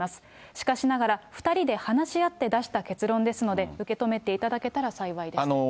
しかしながら、２人で話し合って出した結論ですので、受け止めていただけたら幸いですと。